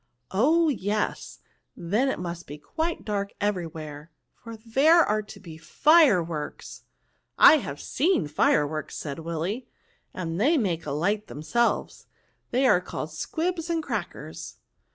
*'" Oh ! yes, then it must be quite dark every where, for there are to be fireworks." '* I have seen fireworks," said Willy, '* they make a light themselves; they are called squibs and crackers."